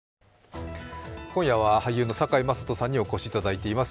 今夜は俳優の堺雅人さんにお越しいただいています。